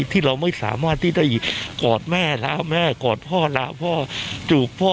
ที่เราไม่สามารถที่ได้กอดแม่ลาแม่กอดพ่อลาพ่อจูบพ่อ